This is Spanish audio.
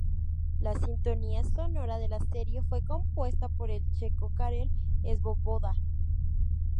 La sintonía sonora de la serie fue compuesta por el checo Karel Svoboda.